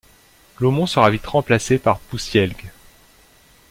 Laumont sera vite remplacé par Poussielgue.